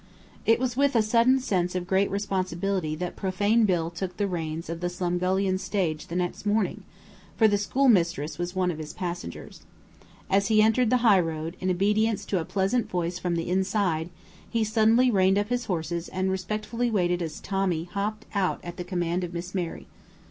It was with a sudden sense of great responsibility that Profane Bill took the reins of the Slumgullion Stage the next morning, for the schoolmistress was one of his passengers. As he entered the highroad, in obedience to a pleasant voice from the "inside," he suddenly reined up his horses and respectfully waited as Tommy hopped out at the command of Miss Mary.